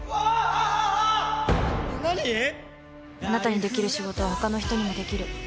あなたにできる仕事は他の人にもできる。